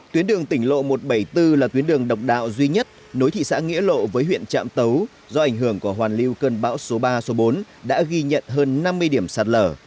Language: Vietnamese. tuyến đường tỉnh lộ một trăm bảy mươi bốn là tuyến đường độc đạo duy nhất nối thị xã nghĩa lộ với huyện trạm tấu do ảnh hưởng của hoàn lưu cơn bão số ba số bốn đã ghi nhận hơn năm mươi điểm sạt lở